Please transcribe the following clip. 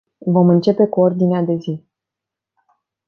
Vom începe cu ordinea de zi.